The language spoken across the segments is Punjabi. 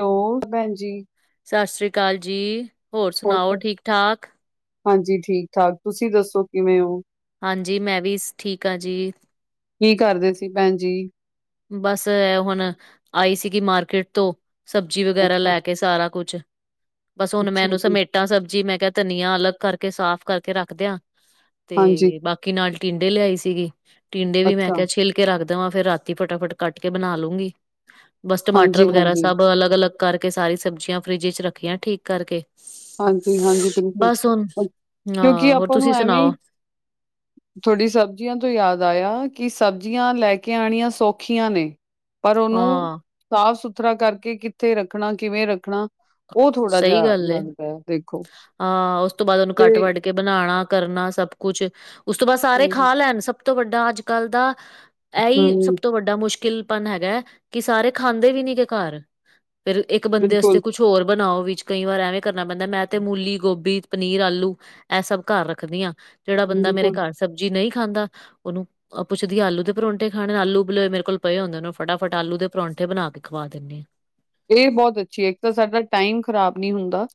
ਹੈਲੋ, ਭੈਣ ਜੀ। ਸਤਿ ਸ੍ਰੀ ਅਕਾਲ ਜੀ, ਹੋਰ ਸੁਣਾਓ ਠੀਕ ਠਾਕ? ਹਾਂਜੀ, ਠੀਕ- ਠਾਕ, ਤੁਸੀਂ ਦੱਸੋ ਕਿਵੇਂ ਹੋ? ਹਾਂਜੀ ਮੈਂ ਵੀ ਠੀਕ ਹਾਂ, ਜੀ, ਕੀ ਕਰਦੇ ਸੀ, ਭੈਣ ਜੀ, ਬਸ ਹੁਣ ਆਈ ਸੀਗੀ ਮਾਰਕੀਟ ਤੋਂ ਸਬਜ਼ੀ ਵਗੈਰਾ ਅੱਛਾ ਲੈ ਕੇ ਸਾਰਾ ਕੁਛ, ਬਸ ਹੁਣ ਮੈਂ ਅੱਛਾ ਇਹਨੂੰ ਜੀ ਸਮੇਟ ਸਮੇਟਾ ਸਬਜ਼ੀ ਮੈਂ ਕਿਹਾ ਧਨੀਆ ਅਲੱਗ ਕਰਕੇ ਸਾਫ਼ ਕਰਕੇ ਰੱਖਦਿਆਂ। ਹਾਂਜੀ ਤੇ ਬਾਕੀ ਨਾਲ ਟਿੰਡੇ ਲਿਆਈ ਸੀਗੀ, ਟੀਂਡੇ ਵੀ ਮੈਂ ਅੱਛਾ ਕਿਹਾ ਛਿੱਲ ਕੇ ਰੱਖ ਦੇਵਾਂ ਫੇਰ ਰਾ ਫਟਾਫਟ ਕੱਟ ਕੇ ਬਣਾ ਲੂੰਗੀ, ਬਸ ਟਮਾਟਰ ਹਾਂਜੀ ਵਗੈਰਾ ਹਾਂਜੀ ਸਭ ਅਲੱਗ- ਅਲੱਗ ਕਰਕੇ ਸਾਰੀ ਸਬਜ਼ੀਆਂ, ਫਰਿੱਜ ਚ ਰੱਖੀਆਂ ਠੀਕ ਕਰਕੇ, ਹਾਂਜੀ-ਹਾਂਜੀ, ਬਿਲਕੁਲ, ਬਸ ਹੁਣ ਕਿਉਂਕਿ ਹਾਂ ਹੋਰ ਆਪਾਂ ਤੁਸੀਂ ਨੂੰ ਐਵੇਂ ਹੀ ਸੁਣਾਓ ਤੁਹਾਡੀ ਸਬਜ਼ੀਆਂ ਤੋਂ ਯਾਦ ਆਇਆ ਕਿ, ਸਬਜ਼ੀਆਂ ਲੈ ਕੇ ਆਉਣੀਆਂ ਸੌਖੀਆਂ ਨੇ, ਪਰ ਉਹਨੂੰ, ਹਾਂ ਸਾਫ਼ ਸੁਥਰਾ ਕਰਕੇ ਕਿੱਥੇ ਰੱਖਣਾ ਕਿਵੇਂ ਰੱਖਣਾ। ਉਹ ਥੋੜਾ ਜਿਹਾ ਸਹੀ ਗੱਲ ਏ ਲੱਗਦਾ ਹੈ, ਦੇਖੋ, ਹਾਂ ਉਸ ਤੋਂ ਬਾਅਦ ਉਹਨੂੰ, ਕੱਟ ਤੇ -ਵੱਢ ਕੇ ਬਣਾਣਾ ਕਰਨਾ ਸਭ ਕੁਛ ਉਸ ਤੋਂ ਬਾਅਦ ਸਾਰੇ ਹਮ ਖਾ ਲੈਣ, ਸਭ ਤੋਂ ਵੱਡਾ ਅੱਜ-ਕੱਲ ਦਾ ਐ ਹੀ ਸਭ ਹਮ, ਤੋਂ ਵੱਡਾ, ਮੁਸ਼ਕਿਲਪਨ ਹੈਗਾ ਕਿ ਸਾਰੇ ਖਾਂਦੇ ਵੀ ਨੀ, ਗ ਘਰ ਫਿਰ ਇੱਕ ਬੰਦੇ ਵਸਤੇ ਬਿਲਕੁਲ ਕੁਛ ਹੋਰ ਬਣਾਓ, ਵਿੱਚ ਕਈ ਵਾਰ ਐਵੇਂ ਕਰਨਾ ਪੈਂਦਾ, ਮੈਂ ਤੇ ਮੂਲੀ, ਗੋਭੀ ਪਨੀਰ ਆਲੂ ਇਹ ਸਭ ਘਰ ਰਖਦੀ ਹਾਂ, ਜਿਹੜਾ ਬੰਦਾ ਮੇਰੇ ਬਿਲਕੁਲ ਘਰ ਸਬਜ਼ੀ ਨਹੀ ਖਾਂਦਾ, ਉਹਨੂੰ ਓ ਪੁਛਦੀ ਆਲੂ ਦੇ ਪਰੋਂਠੇ ਖਾਣੇਣ, ਆਲੂ ਉਬਲੇ ਓਏ ਮੇਰੇ ਕੋਲ ਪਏ ਹੁੰਦੇਣ, ਫਟਾਫਟ ਆਲੂ ਦੇ ਪਰੋਂਠੇ ਬਣਾ ਕੇ ਖਵਾ ਦੇਨੇ ਆ। ਇਹ ਬਹੁਤ ਅੱਛੀ ਐ, ਇਕ ਤਾਂ ਸਾਡਾ ਟਾਈਮ ਖਰਾਬ ਨੀ ਹੁਂਦਾ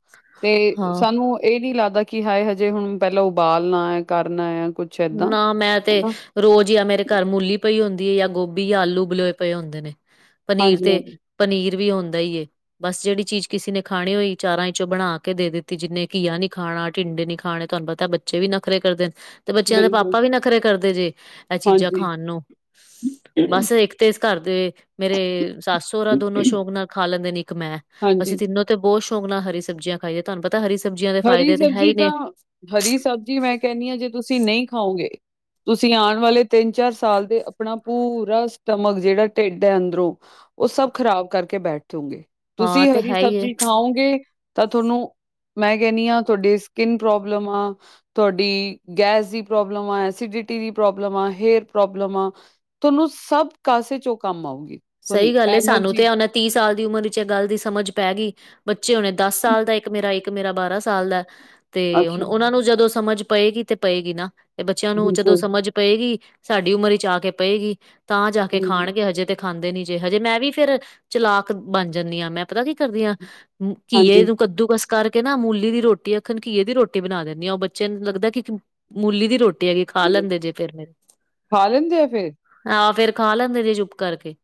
ਤੇ ਹਾਂ ਸਾਨੂੰ ਇਹ ਨੀ ਲਗਦਾ ਕਿ ਹਾਏ ਹਜੇ ਹੁਣ ਪਹਿਲਾਂ ਉਬਾਲਣਾ ਐ, ਕਰਨਾ ਐ ਕੁਛ ਏਦਾਂ ਨਾ ਮੈਂ ਤੇ ਹਨਾ ਰੋਜ਼ ਜਾਂ ਮੇਰੇ ਘਰ ਮੂਲੀ ਪਈ ਹੁਦੀ ਹੈ, ਜਾਂ ਗੋਭੀ ਜਾਂ ਆਲੂ ਉਬਲੇ ਪਏ ਹੁੰਦੇ ਨੇ, ਪਨੀਰ ਹਾਂਜੀ ਤੇ ਹਾਂਜੀ ਪਨੀਰ ਵੀ, ਹੁੰਦਾ ਈ ਏ ਬਸ ਜਿਹੜੀ ਚੀਜ਼ ਕਿਸੇ ਨੇ ਖਾਣੀ ਹੋਈ ਚਾਰਾਂ ਚੋਂ ਬਣਾ ਕੇ ਦੇ ਦਿੱਤੀ, ਜਿੰਨੇ ਘੀਆ ਨੀ ਖਾਣਾ, ਟਿੰਡੇ ਖਾਣੇ ਤੁਹਾਨੂੰ ਪਤਾ ਤਾਂ, ਬੱਚੇ ਵੀ ਨਖਰੇ ਕਰਦੇ ਨੇ ਤੇ ਬੱਚਿਆਂ ਦੇ ਬਿਲਕੁਲ ਪਾਪਾ ਵੀ ਨਖਰੇ ਕਰਦੇ ਜੇ? ਇਹ ਚੀਜਾ ਹਾਂਜੀ ਖਾਣ ਨੂੰ, ਬਸ ਇਕ ਤੇ ਇਸ ਘਰ ਦੇ ਮੇਰੇ ਸੱਸ -ਸਹੁਰਾ ਦੋਨੋਂ ਸ਼ੌਂਕ ਨਾਲ ਖਾ ਲੈਦੇ ਨੇ, ਇਕ ਮੈ ਹਾਂਜੀ ਅਸੀ ਤਿੰਨੋ ਤੇ ਬਹੁਤ ਸ਼ੌਂਕ ਨਾਲ ਹਰੀ ਸਬਜ਼ੀਆਂ ਖਾਈਏ, ਤੁਹਾਨੂੰ ਪਤਾ ਹਰੀ ਸਬਜ਼ੀਆਂ ਦੇ ਹਰੀ ਫਾਇਦੇ ਤੇ ਹੈ। ਸਬਜ਼ੀ ਹੀ ਤਾਂ ਨੇ ਹਰੀ ਸਬਜ਼ੀ ਮੈ ਕਹਿਦੀ ਹਾਂ, ਜੇ ਤੁਸੀ ਨਹੀ ਖਾਓਗੇ ਤੁਸੀਂ ਆਉਣ ਵਾਲੇ ਤਿੰਨ- ਚਾਰ ਸਾਲ, ਦੇ ਆਪਣਾ ਪੂਰਾ ਸਟਮਕ ਜਿਹੜਾ ਢਿੱਡ ਹੈ, ਅੰਦਰੋ ਉਹ ਸਭ ਖ਼ਰਾਬ ਕਰਕੇ ਬੈਠੋਗੇ ਤੁਸੀ ਹਾਂ ਤੇ ਹਰੀ ਹੈ ਹੀ ਏ। ਸਬਜ਼ੀ, ਖਾਓਗੇ ਤਾਂ ਤੁਹਾਨੂੰ ਮੈ ਕੈਨੀ ਆ ਤੁਆਡੀ ਸਕਿੰਨ ਪ੍ਰੋਬਲਮ ਆ ਤੁਆਡੀ ਗੈਸ ਦੀ ਪ੍ਰੋਬਲਮ ਆ, ਐਸੀਡਿਟੀ ਦੀ ਪ੍ਰੋਬਲਮ ਆ, ਹੇਅਰ ਪ੍ਰੋਬਲਮ ਆ ਤੁਆਨੂੰ ਸਭ ਕਾਸੇ ਚੋ ਕਮ ਆਊਗੀ ਤੁਹਾਡੀ ਸਈ ਗਲ ਏ ਸਾਨੂੰ ਤੇ ਐਨਰਜੀ ਇਹ ਹੁਨ ਤੀਹ ਸਾਲ ਦੀ ਉਮਰ ਵਿਚ ਇਹ ਗਲ ਦੀ ਸਮਝ ਪੈ ਗਈ ਬੱਚੇ ਹੋਣੇ ਦਸ ਸਾਲ ਦਾ ਇਕ ਮੇਰਾ ਇਕ ਇਕ ਮੇਰਾ ਬਾਰਾਂ ਸਾਲ ਦਾ ਤੇ ਹੁਣ ਅੱਛਾ ਉਹਨਾਂ ਨੂੰ ਜਦੋ ਸਮਝ ਪਏਗੀ ਤੇ ਪਏਗੀ ਨਾ ਤੇ ਬੱਚਿਆਂ ਨੂੰ ਜਦੋ ਬਿਲਕੁਲ ਸਮਝ ਪਏਗੀ ਸਾਡੀ ਉਮਰ ਇਚ ਆ ਕੇ ਪਏਗੀ ਤਾਂ ਜਾ ਕੇ ਖਾਣਗੇ ਹਜੇ ਤੇ ਖਾਂਦੇ ਨੀ ਜੇ ਹਜੇ ਮੈਂ ਵੀ ਫੇਰ ਚਲਾਕ ਬਣ ਜਾਨੀ ਆ ਮੈ ਪਤਾ ਕੀ ਕਰਦੀਆਂ, ਘੀਏ ਹਾਂਜੀ ਨੂੰ ਕਦੂ ਕਸ ਕਰਕੇ ਨਾ ਮੂਲੀ ਦੀ ਰੋਟੀ ਅਖਣ ਘੀਏ ਦੀ ਰੋਟੀ ਬਣਾ ਦੇਣੀ ਆ ਉਹ ਬੱਚਿਆਂ ਨੂੰ ਲਗਦਾ ਕਿ ਮੂਲੀ ਦੀ ਰੋ ਕੀ ਐਗੀ, ਖਾ ਲੈਂਦੇ ਜੇ ਫਿਰ ਮੇ, ਖਾ ਲੈਂਦੇ ਆ ਫਿਰ? ਆਹ ਫੇਰ ਖਾ ਲੈਂਦੇ ਜੇ ਚੁੱਪ ਕਰਕੇ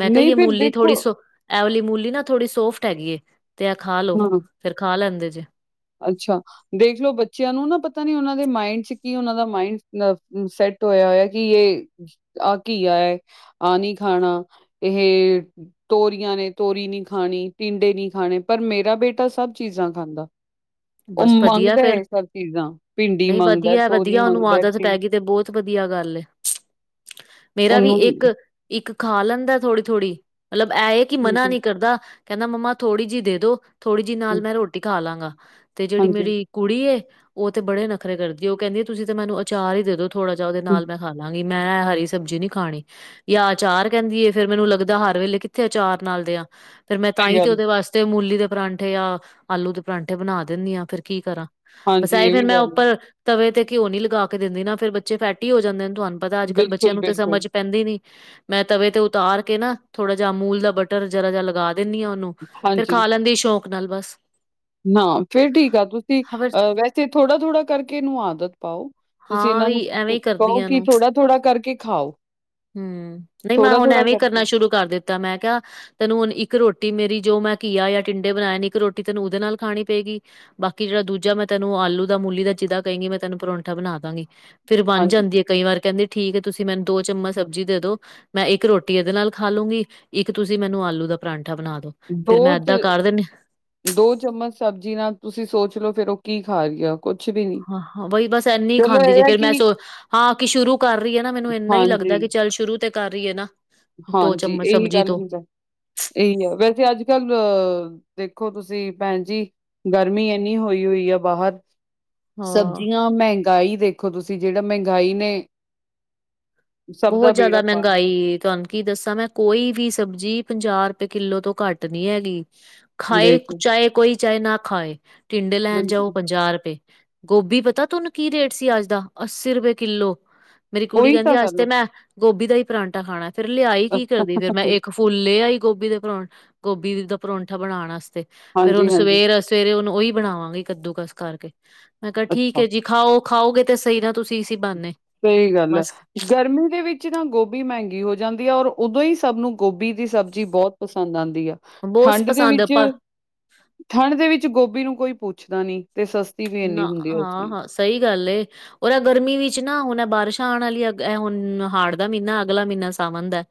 ਮੈ ਕਿਆ ਨਹੀਂ ਯੇ ਫਿਰ ਮੂਲੀ ਦੇਖੋ ਥੋੜੀ ਸੋ ਐਵਾਲੀ ਮੂਲੀ ਨਾ ਥੋੜੀ ਸੋਫਟ ਹੈਗੀ ਏ ਤੇ ਐ ਖਾ ਲੋ, ਹਾਂ, ਫੇਰ ਖਾ ਲੈਂਦੇ ਜੇ। ਅੱਛਾ, ਦੇਖਲੋ ਬੱਚਿਆਂ ਨੂੰ ਨਾ ਪਤਾ ਨੀ ਉਹਨਾਂ ਦੇ ਮਾਇਂਡ ਚ ਕੀ ਉਹਨਾਂ ਦਾ ਮਾਇਂਡ ਨਾ ਸੈਟ ਟੋਇਆ ਹੋਇਆ ਕਿ ਇਹ ਆਹ ਘੀਆ ਐ, ਆਹ ਨੀ ਖਾਣਾ ਇਹ ਤੋਰੀਆਂ ਨੇ, ਤੋਰੀ ਨੀ ਖਾਣੀ, ਟਿਂਡੇ ਨੀ ਖਾਣੇ ਪਰ ਮੇਰਾ ਬੇਟਾ ਸਬ ਚੀਜ਼ਾ ਖਾਂਦਾ। ਉਹ ਬਸ ਵਦੀਆ ਮੰਗਦਾ ਫੇਰ, ਹੈ ਸਭ ਚੀਜ਼ਾਂ, ਭਿੰਡੀ ਨਈ ਮੰਗਦਾ, ਹੈ, ਤੋਰੀ ਵਦੀਆ-ਵਦੀਆ ਉਹਨੂੰ ਮੰਗਦਾ, ਹੈ, ਆਦਤ ਟਿੰ ਪੈ ਗਈ ਤੇ ਬੌ ਤ ਵਦੀਆ ਗਲ ਏ, ਮੇਰਾ ਵੀ ਉਹਨੂੰ ਇਕ ਇਕ ਖਾ ਲੈਂਦਾ ਥੋੜੀ-ਥੋੜੀ ਮਤਲਬ ਇਹ ਐ ਕਿ ਮਨਾ ਹਾਂਜੀ, ਨਈ ਕਰਦਾ ਕਹਿਂਦਾ ਮੰਮਾ ਥੋੜੀ ਜੀ ਦੇ ਦੋ ਥੋੜੀ ਜੀ ਨਾਲ ਮੈ ਰੋਟੀ ਖਾ ਲਾਂਗਾ ਤੇ ਜੇੜੀ ਹਾਂਜੀ, ਮੇਰੀ ਕੁੜੀ ਏ ਉਹ ਤੇ ਬੜੇ ਨਖਰੇ ਕਰਦੀ ਉਹ ਕਹਿਂਦੀ ਏ ਤੁਸੀ ਤੇ ਮੈਨੂੰ ਅਚਾਰ ਈ ਦੇ ਦੋ ਥੋੜਾ ਜਾ ਉਹਦੇ ਨਾਲ ਮੈ ਖਾ ਲਾ ਗੀ। ਮੈ ਇਹ ਹਰੀ ਸਬਜ਼ੀ ਨੀ ਖਾਣੀ ਯਾ ਆਚਾਰ ਕਹਿਂਦੀ ਏ ਫੇਰ ਮੈਨੂੰ ਲੱਗਦਾ ਹਰ ਵੇਲੇ ਕਿੱਥੇ ਆਚਾਰ ਨਾਲ ਦੇਆ ਫਿਰ ਮੈਂ ਸਹੀ ਤਾਂਹੀ ਤੇ ਗੱਲ ਉਹਦੇ ਵਾਸਤੇ ਮੂਲੀ ਦੇ ਪਰਾਂਠੇ ਯਾ ਆਲੂ ਦੇ ਪਰਾਂਠੇ ਬਣਾ ਦੇਨੀ ਆ ਫੇਰ ਕੀ ਕਰਾ ਬਸ ਹਾਂਜੀ ਏਈ ਇਹ ਵੀ ਫੇਰ ਮੈਂ ਗੱਲ ਹੈ। ਉਪਰ ਤਵੇ ਤੇ ਘਿਓ ਨੀ ਲਗਾ ਕੇ ਦੇਂਦੀ ਨਾ ਫੇਰ ਬੱਚੇ ਫੈਟੀ ਹੋ ਜਾਂਦੇਨ ਤੁਆਨੂੰ ਪਤਾ ਅਜ ਕੱਲ ਬੱਚਿਆਂ ਬਿਲਕੁਲ, ਨੂੰ ਤਾਂ ਬਿਲਕੁਲ ਸਮਝ ਪੈਂਦੀ ਨੀ ਮੈਂ ਤਵੇ ਤੇ ਉਤਾਰ ਕੇ ਨਾ, ਥੋੜਾ ਜਾ ਅਮੂਲ ਦਾ ਬਟਰ ਜਰਾ ਜਾ ਲਗਾ ਦੇਨੀ ਆ ਉਹਨੂੰ ਫਿਰ ਖਾ ਲੈਂਦੀ ਸ਼ੋਕ ਨਾਲ ਬਸ ਨਾ ਫੇਰ ਠੀਕ ਆ ਤੁਸੀ, ਹਾਂ ਫਿਰ ਅਹ ਵੈਸੇ ਥੋੜਾ- ਥੋੜਾ ਕਰਕੇ ਇਹਨੂੰ ਆਦਤ ਪਾਓ ਤੁਸੀ ਹਾਂ ਇਹਨਾਂ ਨੂੰ ਵੀ ਐਵੇਂ ਈ ਕਰਦੀ ਕਹੋ ਆ ਕਿ ਇਹਨੂੰ। ਥੋੜਾ- ਥੋੜਾ ਕਰਕੇ ਖਾਓ ਹੂੰ, ਨਈ ਮੈ ਹੁਣ ਥੋੜਾ-ਥੋੜਾ ਐਂਵੇ ਕਰਨਾ ਕਰਕੇ ਸ਼ੁਰੂ ਕਰ ਦਿਤਾ ਮੈ ਕਿਆ ਤੈਨੂੰ ਹੁਣ ਇਕ ਰੋਟੀ ਮੇਰੀ ਜੋ ਮੈ ਘੀਆ ਯਾ ਟਿੰਡੇ ਬਣਾਏ ਨੇ ਇਕ ਰੋਟੀ ਤੈਨੂੰ ਉਹਦੇ ਨਾਲ ਖਾਣੀ ਪੇਗੀ ਬਾਕੀ ਜੇੜਾ ਦੂਜਾ ਮੈ ਤੈਨੂੰ ਆਲੂ ਦਾ, ਮੂਲੀ ਦਾ ਜਿਦਾ ਕਹੇਂਗੀ ਮੈ ਤੈਨੂੰ ਪਰੌਂਠਾ ਬਣਾ ਦਾਂਗੀ ਫੇਰ ਬਣ ਹਾਂਜੀ, ਜਾਂਦੀ ਏ ਕਈ ਵਾਰ ਕਹਿਂਦੀ ਠੀਕ ਐ, ਤੁਸੀ ਮੈਨੂ ਦੋ ਚਮਚ ਸਬਜ਼ੀ ਦੇ ਦੋ ਮੈਂ ਇਕ ਰੋਟੀ ਇਹਦੇ ਨਾਲ ਖਾ ਲੂਂਗੀ, ਇਕ ਤੁਸੀ ਮੈਨੂੰ ਆਲੂ ਦਾ ਪਰਾਂਠਾ ਬਣਾ ਦੋ ਫਿਰ ਮੈਂ ਬੌਤ ਏਦਾਂ ਕਰ ਦਿੰਨੀ ਦੋ ਚਮਚ ਸਬਜ਼ੀ ਨਾਲ ਤੁਸੀਂ ਸੋਚ ਲੋ ਫੇਰ ਉਹ ਕੀ ਖਾ ਰਹੀ ਆ। ਕੁਛ ਵੀ ਨੀ। ਹਾਂ ਹ, ਬੇਹੀ ਬਸ ਇੰਨੀ ਖਾਂਦੀ ਜੇ ਫੇਰ ਮੈਂ ਸ ਹਾਂ ਕਿ ਸ਼ੁਰੂ ਕਰ ਰਹੀਏ ਨਾ ਮੈਨੂੰ ਇੰਨਾ ਹੀ ਹਾਂਜੀ, ਲੱਗਦਾ ਕਿ ਚੱਲ ਸ਼ੁਰੂ ਤੇ ਕਰ ਰਹੀ ਹੈ ਨਾ। ਦੋ ਹਾਂਜੀ, ਚਮਚ ਇਹੀ ਸਬਜ਼ੀ ਗੱਲ ਤੋਂ ਹੁੰਦਾ। ਇਹੀ ਆ, ਵੈਸੇ ਅੱਜ ਕੱਲ ਅ ਦੇਖੋ ਤੁਸੀਂ ਭੈਣ ਜੀ ਗਰਮੀ ਇੰਨੀ ਹੋਈ ਹੁਈ ਐ ਬਾਹਰ ਹਾਂ। ਸਬਜ਼ੀਆਂ ਮਹਿੰਗਾਈ ਦੇਖੋ ਤੁਸੀਂ ਜੇੜਾ ਮਹਿੰਗਾਈ ਨੇ ਸਭ ਦਾ ਬਹੁਤ ਜੈਦਾ ਬੇੜਾ ਪਾਰ ਕੀਤਾ। ਮਹਿੰਗਾਈ ਐ, ਤੁਆਨੂੰ ਕੀ ਦੱਸਾਂ ਮੈਂ ਕੋਈ ਵੀ ਸਬਜ਼ੀ ਪੰਜਾਹ ਰੁਪਏ ਕਿੱਲੋ ਤੋਂ ਘੱਟ ਨੀ ਐਗੀ। ਖਾਏ ਦੇਖੋ, ਚਾਏ ਕੋਈ ਚਾਏ ਨਾ ਖਾਏ, ਟਿੰਡੇ ਲੈਣ ਬਿਲਕੁਲ। ਜਾਓ ਪੰਜਾਹ ਰੁਪਏ ਗੋਭੀ ਪਤਾ ਤੁਆਨੂੰ ਕੀ ਰੇਟ ਸੀ ਅੱਜ ਦਾ, ਅੱਸੀ ਰੁਪਏ ਕਿੱਲੋ। ਮੇਰੀ ਕੁੜੀ ਉਹੀ ਕਹਿੰਦੀ ਤਾਂ ਅੱਜ ਗੱਲ ਤੇ ਮੈਂ ਗੋਭੀ ਦਾ ਈ ਪਰਾਂਟਾ ਖਾਣਾ, ਫਿਰ ਲਿਆਈ ਕੀ ਕਰਦੀ ਫੇਰ ਮੈਂ ਇੱਕ ਫ ਫੁੱਲ ਲੇ ਆਈ ਗੋਭੀ ਦੇ ਪਰੋਂ, ਗੋਭੀ ਦਾ ਪਰੋਂਠਾ ਬਣਾਣ ਆਸਤੇ, ਫੇਰ ਹਾਂਜੀ, ਹੁਣ ਹਾਂਜੀ ਸਵੇਰ ਸਵੇਰੇ ਹੁਣ ਉਹੀ ਬਣਾਵਾਂਗੀ ਕੱਦੂ ਕਸ ਕਰਕੇ ਮੈਂ ਕਿਹਾ ਠੀਕ ਅੱਛਾ। ਐ ਜੀ। ਖਾਓ ਖਾਓਗੇ ਤੇ ਸਹੀ ਤੁਸੀਂ ਇਸੀ ਬਾਨੇ। ਸਹੀ ਗੱਲ ਐ। ਗਰਮੀ ਦੇ ਵਿੱਚ ਨਾ ਗੋਭੀ ਮਹਿੰਗੀ ਹੋ ਜਾਂਦੀ ਆ ਔਰ ਉਦੋਂ ਹੀ ਸਭ ਨੂੰ ਗੋਭੀ ਦੀ ਸਬਜ਼ੀ ਬਹੁਤ ਪਸੰਦ ਆਉਂਦੀ ਆ। ਬਹੁਤ ਠੰਡ ਦੇ ਪਸੰਦ ਵਿੱਚ, ਆ। ਠੰਡ ਦੇ ਵਿੱਚ ਗੋਭੀ ਨੂੰ ਕੋਈ ਪੁੱਛਦਾ ਨੀ ਤੇ ਸਸ ਵੀ ਨਾ ਇੰਨੀ ਹੁੰਦੀ ਉਸ ਹਾਂ ਟਾਈਮ। ਹਾਂ ਸਹੀ ਗੱਲ ਏ। ਉਦਾਂ ਗਰਮੀ ਵਿੱਚ ਨਾ ਹੁਣ ਬਾਰਿਸ਼ਾਂ ਆਉਣ ਵਾਲੀਆਂ ਅ ਹੁਣ ਹਾੜ ਦਾ ਮਹੀਨਾ ਅਗਲਾ ਮਹੀਨਾ ਸਾਵਨ ਦਾ ਹੈ।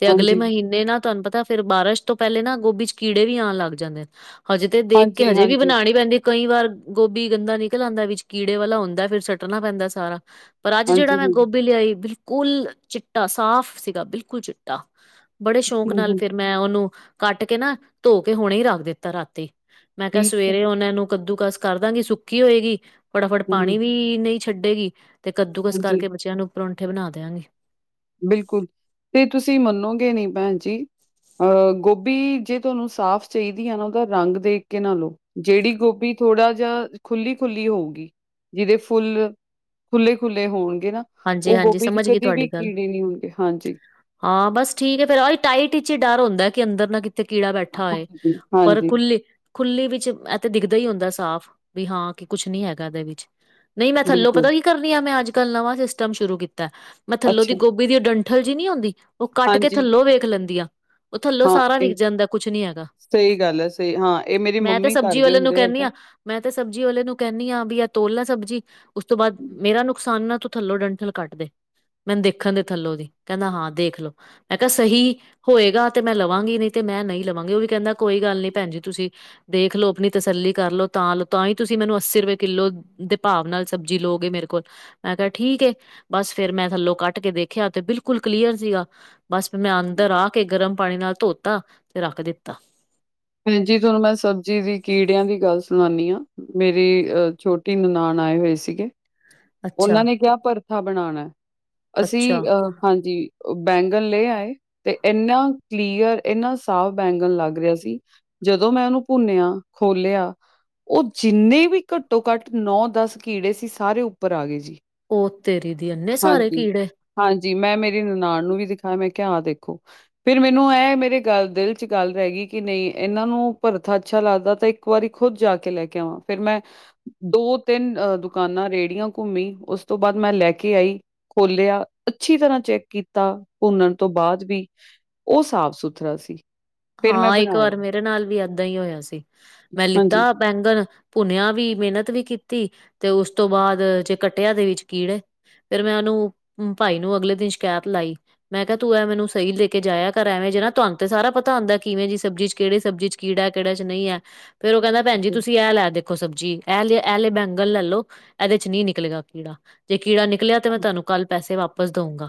ਤੇ ਅਗਲੇ ਹਾਂਜੀ, ਮਹੀਨੇਂ ਨਾ ਤੁਹਾਨੂੰ ਪਤਾ ਫੇਰ ਬਾਰਿਸ਼ ਤੋਂ ਪਹਿਲੇ ਨਾ ਗੋਭੀ ਚ ਕੀੜੇ ਵੀ ਆਉਣ ਲੱਗ ਜਾਂਦੇ ਨੇ। ਹਜੇ ਤੇ ਦੇਖ ਕੇ ਹਾਂਜੀ, ਹਜੇ ਵੀ ਹਾਂਜੀ, ਬਣਾਣੀ ਪੈਂਦੀ ਕਈ ਵਾਰ ਗੋਭੀ ਗੰਦਾ ਨਿਕਲ ਆਉਂਦਾ ਵਿੱਚ ਕੀੜੇ ਵਾਲਾ ਹੁੰਦਾ ਫੇਰ ਸੱਟਣਾ ਪੈਂਦਾ ਸਾਰਾ। ਪਰ ਅੱਜ ਜਿਹੜਾ ਹਾਂਜੀ, ਮੈਂ ਹਾਂਜੀ। ਗੋਭੀ ਲਿਆਈ ਬਿਲਕੁਲ ਚਿੱਟਾ ਸਾਫ਼ ਸੀਗਾ ਬਿਲਕੁਲ ਚਿੱਟਾ। ਬੜੇ ਸ਼ੌਕ ਹੂੰ, ਨਾਲ ਹੂੰ ਫਿਰ ਮੈਂ ਉਹਨੂੰ ਕੱਟ ਕੇ ਨਾ ਧੋ ਕੇ, ਹੁਣੇ ਹੀ ਰੱਖ ਦਿੱਤਾ ਰਾਤੀ। ਮੈਂ ਕਿਹਾ ਠੀਕ ਐ। ਸਵੇਰੇ ਉਹਨਾਂ ਨੂੰ ਕੱਦੂ ਕਸ ਕਰ ਦਾਂਗੀ ਸੁੱਕੀ ਹੋਏਗੀ, ਫੱਟਾਫਟ ਹੂੰ, ਪਾਣੀ ਵੀ ਨਈ ਛੱਡੇਗੀ ਤੇ ਕੱਦੂਕਸ ਹਾਂਜੀ ਕਰਕੇ ਬੱਚਿਆਂ ਨੂੰ ਪਰੌਂਠੇ ਬਣਾ ਦਿਆਂਗੀ। ਬਿਲਕੁਲ ਤੇ ਤੁਸੀਂ ਮੰਨੋਗੇ ਨਹੀਂ ਭੈਣ ਜੀ ਆਹ ਗੋਭੀ ਜੇ ਤੁਹਾਨੂੰ ਸਾਫ਼ ਚਾਹੀਦੀ ਐ ਨਾ ਉਹਦਾ ਰੰਗ ਦੇਖ ਕੇ ਨਾ ਲਉ। ਜਿਹੜੀ ਗੋਭੀ ਥੋੜਾ ਜਾ ਖੁੱਲੀ-ਖੁੱਲੀ ਹੋਊਗੀ ਜਿਹਦੇ ਫੁੱਲ ਖੁੱਲੇ-ਖੁੱਲੇ ਹੋਣਗੇ ਨਾ, ਹਾਂਜੀ ਉਹ ਹਾਂਜੀ ਗੋਭੀ ਚ ਸਮਝ ਗਈ ਕਦੇ ਵੀ ਤੁਹਾਡੀ ਗੱਲ ਕੀੜੇ ਨਹੀਂ ਹੋਣਗੇ, ਹਾਂਜੀ। ਹਾਂ, ਬਸ ਠੀਕ ਹੈ ਫੇਰ ਉਹੀ ਇਹ ਟਾਈਟ ਚ ਹੀ ਡਰ ਹੁੰਦਾ ਕਿ ਅੰਦਰ ਨਾ ਕਿ ਤੇ ਕੀੜਾ ਬੈਠਾ ਹੋਏ ਹਾਂਜੀ, ਪਰ ਹਾਂਜੀ ਖੁੱਲੀ ਖੁੱਲ੍ਹੀ ਵਿੱਚ ਇਥੇ ਦਿਖਦਾ ਹੀ ਹੁੰਦਾ ਸਾਫ਼, ਵੀ ਹਾਂ ਕੀ ਕੁਛ ਨੀ ਹੈਗਾ ਇਹਦੇ ਵਿੱਚ। ਨਹੀਂ ਮੈਂ ਥੱਲੋਂ ਪਤਾ ਬਿਲਕੁਲ ਕੀ ਕਰਨੀ ਆ ਮੈਂ ਅੱਜ ਕੱਲ੍ਹ ਨਵਾਂ ਸਿਸਟਮ ਸ਼ੁਰੂ ਕੀਤਾ, ਮੈਂ ਥੱਲੋਂ ਦੀ ਅੱਛਾ ਗੋਭ ਭੀ ਦੀ ਉਹ ਡੰਠਲ ਨੀ ਹੁੰਦੀ ਉਹ ਕੱਟ ਕੇ ਹਾਂਜੀ ਥੱਲੋਂ ਵੇਖ ਲੈਂਦੀ ਆ। ਉਹ ਥੱਲੋਂ ਹਾਂ ਸਾਰਾ ਵਿਖ ਇਹ ਜਾਂਦਾ ਕੁਛ ਨੀ ਹੈਗਾ। ਸਹੀ ਗੱਲ ਐ ਸਹੀ ਹਾਂ ਇਹ ਮੇਰੀ ਮੈਂ ਤੇ ਮੰਮੀ ਸਬਜ਼ੀ ਕਰਦੇ ਵਾਲੇ ਨੂੰ ਹੁੰਦੇ ਐ ਕਹਿੰਦੀ ਇਦਾਂ। ਹਾਂ ਮੈਂ ਤੇ ਸਬਜ਼ੀ ਵਾਲੇ ਨੂੰ ਕਹਿੰਦੀ ਆ ਵੀ ਆ ਤੋਲ ਲੈ ਸਬਜ਼ੀ ਉਸ ਤੋਂ ਬਾਅਦ ਮੇਰਾ ਨੁਕਸਾਨ ਨਾ ਤੂੰ ਥੱਲੋਂ ਡੰਠਲ ਕੱਟ ਦੇ ਮੈਨੂੰ ਦੇਖਣ ਦੇ ਥੱਲੋਂ ਦੀ ਕਹਿੰਦਾ ਹਾਂ ਦੇਖ ਲੋ, ਮੈਂ ਕਿਹਾ ਸਹੀ ਹੋਏਗਾ ਤੇ ਮੈਂ ਲਵਾਂਗੀ ਨਹੀਂ ਤੇ ਮੈਂ ਨ ਈ ਲਵਾਂਗੀ, ਉਹ ਵੀ ਕਹਿੰਦਾ ਕੋਈ ਗੱਲ ਨੀ ਭੈਣ ਜੀ ਤੁਸੀਂ ਦੇਖ ਲੋ ਆਪਣੀ ਤਸੱਲੀ ਕਰ ਲਓ, ਤਾਂ ਲ ਤਾਂ ਹੀ ਤੁਸੀਂ ਮੈਨੂੰ ਅੱਸੀ ਰੁਪਏ ਕਿੱਲੋ ਦੇ ਭਾਵ ਨਾਲ ਸਬਜ਼ੀ ਲੋ ਗਏ ਮੇਰੇ ਕੋਲ ਮੈਂ ਕਿਹਾ ਠੀਕ ਏ, ਬਸ ਫੇਰ ਮੈਂ ਥੱਲੋਂ ਕੱਟ ਕੇ ਵੇਖਿਆਂ ਤੇ ਬਿਲਕੁਲ ਕਲੀਅਰ ਸੀਗਾ। ਬਸ ਫ ਮੈਂ ਅੰਦਰ ਆ ਕੇ ਗਰਮ ਪਾਣੀ ਨਾਲ ਧੋਤਾ ਤੇ ਰੱਖ ਦਿੱਤਾ। ਹਾਂਜੀ ਤੁਹਾਨੂੰ ਮੈਂ ਸਬਜ਼ੀ ਦੀ ਕੀੜਿਆਂ ਦੀ ਗੱਲ ਸੁਨਾਨੀ ਹਾਂ। ਮੇਰੀ ਅਹ ਛੋਟੀ ਨਨਾਣ ਆਏ ਹੋਏ ਸੀਗੇ ਓਨਾਂ ਅੱਛਾ ਨੇ ਕਿਆ ਪਰਥਾ ਬਣਾਣਾ ਅੱਛਾ ਅਸੀਂ ਅਹ ਹਾਂਜੀ ਬੈਂਗਨ ਲੇ ਆਏ ਤੇ ਇੰਨਾ ਕਲੀਅਰ ਇੰਨਾ ਸਾਫ਼ ਬੈਂਗਣ ਲੱਗ ਰਿਹਾ ਸੀ। ਜਦੋਂ ਮੈਂ ਓਨੂੰ ਭੁੰਨਿਆ, ਖੋਲਿਆ ਓ ਜਿੰਨੇ ਵੀ ਘੱਟੋ ਘੱਟ ਨੌ ਦਸ ਕੀੜੇ ਸੀ ਸਾਰੇ ਉੱਪਰ ਆ ਗਏ ਜੀ। ਉਹ ਤੇਰੀ ਦੀ ਇੰਨੇ ਸਾਰੇ ਹਾਂਜੀ, ਕੀੜੇ। ਹਾਂਜੀ ਮੈਂ ਮੇਰੀ ਨਨਾਨ ਨੂੰ ਵੀ ਦਿਖਾਏ ਮੈਂ ਕਿਹਾ ਹ ਦੇਖੋ। ਫਿਰ ਮੈਨੂੰ ਇਹ ਮੇਰੇ ਗੱਲ ਦਿਲ ਚ ਗੱਲ ਰਹਿ ਗਈ, ਕਿ ਨਹੀਂ ਇਹਨਾਂ ਨੂੰ ਭਰਥਾ ਅੱਛਾ ਲੱਗਦਾ ਤਾਂ ਇੱਕ ਇੱਕ ਵਾਰੀ ਖੁੱਦ ਜਾ ਕੇ ਲੈ ਕੇ ਆਵਾਂ ਫੇਰ ਮੈਂ ਦੋ, ਤਿੰਨ ਅਹ ਦੁਕਾਨਾਂ ਰੇਹੜੀਆਂ ਘੁੰਮੀ ਉਸ ਤੋਂ ਬਾਅਦ ਮੈਂ ਲੈ ਕੇ ਆਈ। ਖੋਲਿਆ ਅੱਛੀ ਤਰ੍ਹਾਂ ਚੈੱਕ ਕੀਤਾ ਭੁੰਨਣ ਤੋਂ ਬਾਅਦ ਵੀ। ਉਹ ਸਾਫ ਸੁਥਰਾ ਸੀ। ਫਿਰ ਮੈਂ ਹਾਂ ਇੱਕ ਬਣਾਇਆ ਵਾਰ ਮੇਰੇ ਨਾਲ ਵੀ ਏਦਾਂ ਹੀ ਹੋਇਆ ਸੀ ਮੈਂ ਹਾਂਜੀ, ਲਿੱਤਾ ਬੈਂਗਣ ਭੁੰਨਿਆ ਵੀ ਮਿਹਨਤ ਵੀ ਕੀਤੀ ਤੇ ਉਸ ਤੋਂ ਬਾਅਦ ਜੇ ਕੱਟਿਆ ਦੇ ਵਿੱਚ ਕੀੜੇ। ਫੇਰ ਮੈਂ ਉਹਨੂੰ ਭਾਈ ਨੂੰ ਅਗਲੇ ਦਿਨ ਸ਼ਿਕਾਇਤ ਲਾਈ। ਮੈਂ ਕਿਆ ਤੂੰ ਐ ਮੈਨੂੰ ਸਈ ਲੈ ਕੇ ਜਾਇਆ ਘਰ ਐਵੇਂ ਜ ਤੁਆਨੁ ਤੇ ਸਾਰਾ ਪਤਾ ਪਤਾ ਹੁੰਂਦਾ ਕਿਵੇਂ ਜੀ ਸਬਜ਼ੀ ਚ ਕਿਹੜੇ ਸਬਜੀ ਚ ਕੀੜਾ, ਕਿਹੜੇ ਚ ਨਈ ਐ ਫੇਰ ਓ ਕਹਿੰਦਾ ਭੈਣ ਜੀ ਹਾਂ, ਤੁਸੀਂ ਲੈ ਦੇ ਦੇਖੋ ਸਬਜ਼ੀ ਐਹ ਲੇ, ਐਹ ਲੇ ਬੈਂਗਨ ਲੈ ਲੋ ਇਹਦੇ ਚ ਨੀ ਨਿਕਲੇਗਾ ਕੀੜਾ। ਜੇ ਕੀੜਾ ਨਿਕਲਿਆ ਤੇ ਮੈਂ ਤੁਹਾਨੂੰ ਕੱਲ ਪੈਸੇ ਵਾਪਸ ਦਊਂਗਾ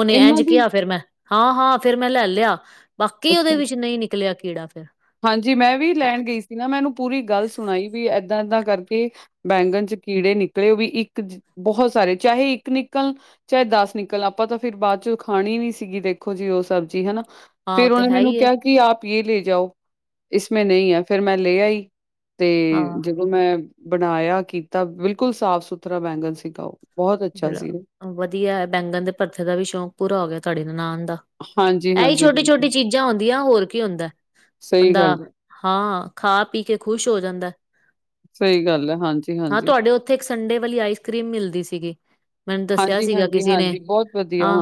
ਉਨੇ ਇਂਝ ਇਹਨਾਂ ਦੀ ਕਿਹਾ ਫੇਰ ਮੈ ਹਾਂ, ਹਾਂ ਫ਼ੇਰ ਮੈਂ ਲੈ ਲਿਆ ਬਾਕੀ ਉਦੇ ਅੱਛਾ। ਵਿੱਚ ਨਈ ਨਿਕਲਿਆ ਕੀੜਾ ਫੇਰ ਹਾਂਜੀ, ਮੈਂ ਵੀ ਲੈਣ ਗਈ ਸੀ। ਨਾ ਮੈ ਐਨੂੰ ਪੂਰੀ ਗੱਲ ਸੁਣਾਈ ਵੀ ਏਦਾਂ ਏਦਾਂ ਕਰਕੇ ਬੈਂਗਣ ਚ ਕੀੜੇ ਨਿਕਲੇ ਵੀ ਇੱਕ ਬਹੁਤ ਸਾਰੇ ਚਾਹੇ ਇੱਕ ਨਿਕਲ ਚਾਹੇ ਦਸ ਨਿਕਲ ਆਪਾਂ ਤਾਂ ਫਿਰ ਬਾਦ ਚ ਖਾਣੀ ਨੀ ਸੀਗੀ ਦੇਖੋ ਜੀ ਉਹ ਸਬਜ਼ੀ ਹਨਾ ਹਾਂ ਉਹ ਫੇਰ ਤੇ ਓਨੇ ਹੈ ਮੈਨੂੰ ਹੀ ਹੈ। ਕਿਆ ਕਿ ਆਪ ਯੇ ਲੇ ਜਾਓ ਇਸਮੇ ਨਈ ਆ ਫੇਰ ਮੈਂ ਲੇ ਆਈ ਹਾਂ ਤੇ ਮੈਂ ਬਣਾਇਆ ਕੀਤਾ ਬਿਲਕੁਲ ਸਾਫ ਸੁਥਰਾ ਬੈਂਗਨ ਸੀਗਾ ਓ। ਜਿਹੜਾ ਵਧੀਆ ਐ ਬੈਂਗਣ ਦੇ ਪਰਥੇ ਦਾ ਵੀ ਸ਼ੌਕ ਪੂਰਾ ਹੋ ਗਿਆ ਤਾਡੀ ਨਾਲ ਨਨਾਣ ਦਾ ਹਾਂਜੀ, ਐਈ ਹਾਂਜੀ, ਛੋਟੀ ਛੋਟੀ ਬਿਲਕੁਲ। ਚੀਜ਼ਾਂ ਹੁੰਦੀਆਂ ਹੋਰ ਕੀ ਹੁੰਦਾ ਸਹੀ ਬੰਦਾ ਗੱਲ ਹੈ, ਹਾਂ ਖਾ ਪੀ ਕੇ ਖੁਸ਼ ਹੋ ਜਾਂਦਾ। ਸਹੀ ਗੱਲ ਹੈ। ਹਾਂਜੀ, ਹਾਂ ਹਾਂਜੀ। ਤੁਆਡੇ ਉੱਥੇ ਇੱਕ ਸੰਡੇ ਵਾਲੀ ਆਈਸ ਕਰ੍ਰੀਮ ਮਿਲਦੀ ਸੀਗੀ ਮੈਨੂੰ ਦੱਸਿਆ ਹਾਂਜੀ, ਸੀਗਾ ਹਾਂਜੀ, ਕਿਸੇ ਨੇ ਹਾਂਜੀ, ਬਹੁਤ ਵਧੀਆ, ਹਾਂ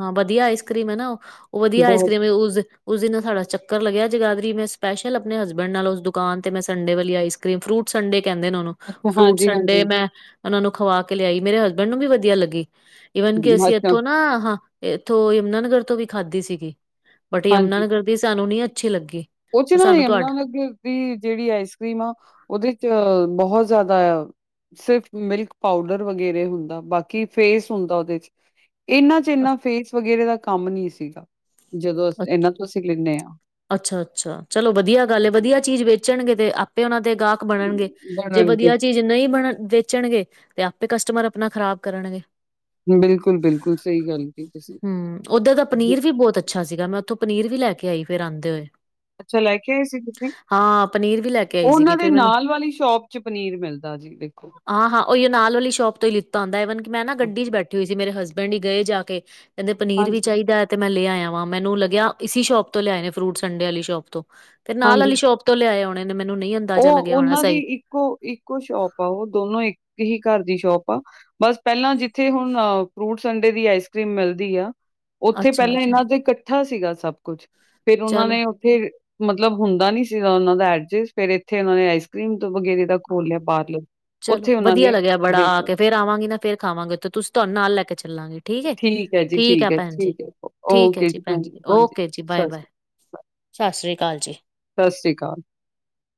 ਹਾਂ ਵਧੀਆ ਆਈਸ ਕਰ੍ਰੀਮ ਐ ਨਾ ਓ ਵਧੀਆ ਆਈਸ ਬਹੁਤ ਕਰ੍ਰੀਮ ਉਸ ਉਸ ਦਿਨ ਸਾਡਾ ਚੱਕਰ ਲਗਿਆ ਜਗਾਦਰੀ ਮੈਂ ਸਪੈਸ਼ਲ ਆਪਣੇ ਹਸਬੈਂਡ ਨਾਲ ਉਸ ਦੁਕਾਨ ਤੇ ਮੈਂ ਸੰਡੇ ਵਾਲੀ ਆਈਸ ਫਰੂਟਸ ਸੰਡੇ ਕਹਿੰਦੇ ਨੇ ਓਨੂੰ। ਅੱਛਾ, ਫਰੂਟ ਹਾਂਜੀ-ਹਾਂਜੀ, ਸੰਡੇ ਮੈਂ ਓਨਾਂ ਨੂੰ ਖਵਾ ਕੇ ਲਿਆਈ ਮੇਰੇ ਹਸਬੈਂਡ ਨੂੰ ਵੀ ਵਧੀਆ ਲੱਗੀ। ਈਵਨ ਕਿ ਅਸੀਂ ਅੱਛਾ, ਇੱਥੋਂ ਨਾ ਹਾਂ ਇੱਥੋਂ ਯਮਨਾ ਨਗਰ ਤੋਂ ਵੀ ਖਾਧੀ ਸੀਗੀ ਬਟ ਯਮਨਾ ਨਗਰ ਵੀ ਸਾਨੂੰ ਨੀ ਅੱਛੀ ਲੱਗੀ। ਓਚੇ ਪਰ ਨਾਲੋ ਸਾਨੂੰ ਯਮਨਾ ਨਗਰ ਦੀ ਜੇੜੀ ਆਈਸ ਕਰ੍ਰੀਮ ਆ ਓਦੇ ਚ ਬਹੁਤ ਜ਼ਿਆਦਾ ਸਿਰਫ ਮਿਲਕ ਪਾਊਡਰ ਵਗੈਰੇ ਹੁੰਦਾ ਬਾਕੀ ਫੇਸ ਹੁੰਦਾ ਓਦੇ ਚ ਇਨਾਂ ਚ ਇਨਾ ਤੁਹਾਡ ਫੇਸ ਵਗੈਰੇ ਦਾ ਕੰਮ ਨੀ ਸੀਗਾ ਜਦੋਂ ਅ ਇਨਾਂ ਤੋਂ ਅਸੀਂ ਲੈਂਣੇ ਆ ਅੱਛਾ, ਅੱਛਾ ਚਲੋ ਵਧੀਆ ਗੱਲ ਵਧੀਆ ਚੀਜ਼ ਵੇਚਣਗੇ ਤੇ ਆਪੇ ਉਹਨਾਂ ਦੇ ਗਾਹਕ ਬਣਨਗੇ ਜੇ ਬਣਨ ਕੇ, ਵਧੀਆ ਚੀਜ਼ ਜੇ ਨਹੀਂ ਬਣ ਵੇਚਣਗੇ ਤੇ ਆਪੇ ਕਸਟਮਰ ਆਪਣਾ ਖ਼ਰਾਬ ਕਰਨਗੇ ਬਿਲਕੁਲ ਬਿਲਕੁਲ ਸਈ ਗੱਲ ਕਈ ਤੁਸੀਂ ਛਾ ਸੀਗਾ ਮੈਂ ਉੱਥੋਂ ਪਨੀਰ ਵੀ ਲੈ ਕੇ ਆਈ ਫਿਰ ਆਂਦੇ ਹੋਏ। ਅੱਛਾ ਲੈ ਕੇ ਆਏ ਸੀ ਤੁਸੀਂ? ਹਾਂ, ਪਨੀਰ ਵੀ ਲੈ ਕੇ ਅ ਓ ਓਨਾਂ ਦੇ ਨਾਲ ਵਾਲੀ ਸ਼ੋਪ ਚ ਪਨੀਰ ਮਿਲਦਾ ਜੀ ਦੇਖੋ। ਹਾਂ-ਹਾਂ ਉਹਹੀ ਨਾਲ ਵਾਲੀ ਸ਼ੋਪ ਤੋਂ ਹੀ ਲਿੱਤਾ ਹੁੰਦਾ ਇਵਨ ਕਿ ਮੈਂ ਨਾ ਗੱਡੀ ਚ ਬੈਠ ਬੀਜੀ ਮੇਰੇ ਹਸਬੈਂਡ ਹੀ ਗਏ ਜਾ ਕੇ ਕਹਿੰਦੇ ਪਨੀਰ ਵੀ ਹਾਂਜੀ, ਚਾਹੀਦਾ ਹੈ ਤੇ ਮੈਂ ਲੇ‌ ਆਯਾ। ਮੈਨੂੰ ਲੱਗਿਆ ਇਸੀ ਸ਼ੋਪ ਤੋਂ ਲਿਆਏ ਨੇ ਫਰੂਟ ਸੰਡੇ ਆਲੀ ਸ਼ੋਪ ਤੋਂ ਤੇ ਨਾਲ ਹਾਂਜੀ। ਆਲੀ ਸ਼ੋਪ ਤੋਂ ਲਿਆਏ ਹੋਨੇ। ਮੈਨੂੰ ਨਹੀਂ ਅੰਦਾਜ਼ਾ ਉਹ ਲੱਗਿਆ ਹੋਣਾ ਉਹਨਾਂ ਦੀ ਸਹੀ। ਇੱਕੋ ਇੱਕੋ ਸ਼ੋਪ ਆ ਓ ਦੋਨੋ ਇੱਕ ਹੀ ਘਰ ਦੀ ਸ਼ੋਪ ਆ। ਬਸ ਪਹਿਲਾਂ ਜਿੱਥੇ ਹੁਣ ਫਰੂਟ ਸੰਡੇ ਦੀ ਆਈਸ ਕਰੀਮ ਮਿਲਦੀ ਆ। ਉੱਥੇ ਪਹਿਲਾਂ ਅੱਛਾ-ਅੱਛਾ ਇਹਨਾਂ ਦਾ ਕੱਠਾ ਸੀਗਾ ਸਭ ਕੁੱਛ ਫੇਰ ਉਹਨਾਂ ਚਲੋ ਨੇ ਫੇਰ ਮਤਲਬ ਹੁੰਦਾ ਨੀ ਸੀਗਾ ਉਨਾਂ ਦਾ ਐਡਜਸਟ। ਫੇਰ ਇੱਥੇ ਇਨਾਂ ਨੇ ਆਈਸਕ੍ਰੀਮ ਤੋਂ ਵਗੈਰੇ ਦਾ ਖੋਲ੍ਹਿਆ ਪਾਰਲੇਰ। ਚਲੋ ਵਧੀਆ ਲੱਗਿਆ ਬੜਾ ਆ ਕੇ ਫ਼ੇਰ ਆਵਾਂਗੀ ਨਾ ਫੇਰ ਖਾਵਾਂਗੇ ਓਥੇ ਤੁਸੀਂ ਤੁਹਾਨੂੰ ਨਾਲ ਲੈ ਕੇ ਚੱਲਾਂਗੇ। ਠੀਕ ਐ ਜੀ ਠੀਕ ਆ ਐ ਭੈਣ ਜੀ ਠੀਕ ਐ ਠੀਕ ਹੈ ਓਕੇ ਜੀ ਭੈਣ ਹਾਂਜੀ ਹਾਂਜੀ ਸਤਿ ਸ਼੍ਰੀ ਅਕਾਲ। [inaudible] ਸਸ਼੍ਰੀ ਅਕਾਲ ਜੀ। ਸਸ਼੍ਰੀ ਅਕਾਲ।